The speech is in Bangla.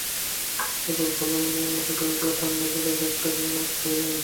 এরপর ভালোভাবে মুখে কয়েকবার ঠান্ডা জলের ঝাপটা দিয়ে মুখ ধুয়ে নিন।